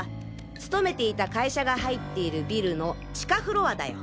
勤めていた会社が入っているビルの地下フロアだよ。